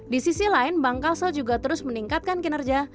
di sisi lain bank kasel juga terus meningkatkan kinerja